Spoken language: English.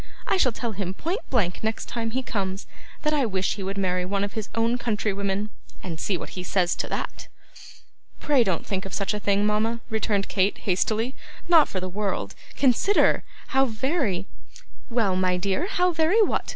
I shall tell him point blank next time he comes, that I wish he would marry one of his own country women; and see what he says to that.' 'Pray don't think of such a thing, mama,' returned Kate, hastily; 'not for the world. Consider. How very ' 'Well, my dear, how very what?